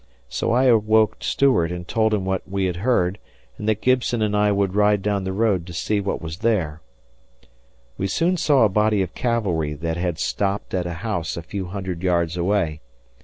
So I awoke Stuart and told him what we had heard and that Gibson and I would ride down the road to see what was there. We soon saw a body of cavalry that had stopped at a house a few hundred yards away.